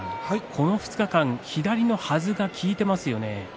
この２日間、左のはずが効いていますよね。